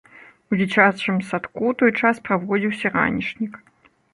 У дзіцячым садку ў той час праводзіўся ранішнік.